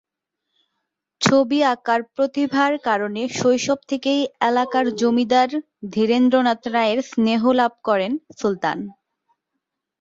ছবি আঁকার প্রতিভার কারণে শৈশব থেকেই এলাকার জমিদার ধীরেন্দ্রনাথ রায়ের স্নেহ লাভ করেন সুলতান।